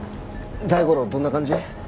大五郎どんな感じ？